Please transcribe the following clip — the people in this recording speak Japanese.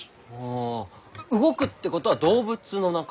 あ動くってことは動物の仲間？